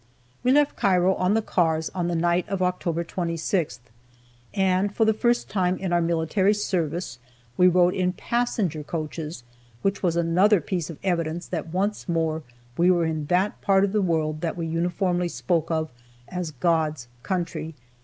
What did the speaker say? We left Cairo on the cars on the night of October 26th, and for the first time in our military service, we rode in passenger coaches, which was another piece of evidence that once more we were in that part of the world that we uniformly spoke of as "God's Country."